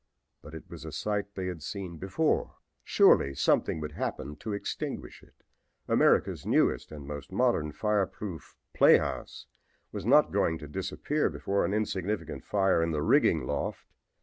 But it was a sight they had seen before. Surely something would happen to extinguish it. America's newest and most modern fireproof playhouse was not going to disappear before an insignificant fire in the rigging loft.